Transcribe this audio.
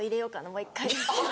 もう１回。